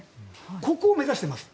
ここを目指しています。